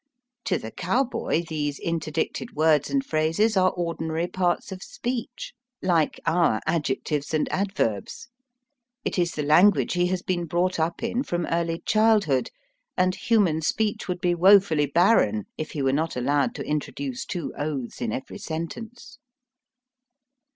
To the cowboy these interdicted words and phrases are ordinary parts of speech, like our adjectives and adverbs. It is the language he has been brought up in from early childhood, and human speech would be woefully barren if he were not allowed to introduce two oaths in every sentence.